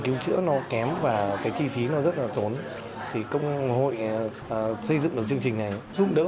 cứu chữa nó kém và cái chi phí nó rất là tốn thì công hội xây dựng được chương trình này giúp đỡ